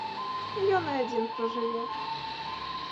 Ён і адзін пражыве.